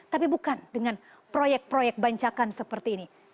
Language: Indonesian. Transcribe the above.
tapi bukan dengan proyek proyek bancakan seperti ini